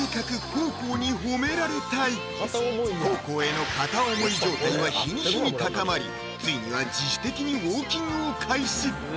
黄皓への片思い状態は日に日に高まりついには自主的にウォーキングを開始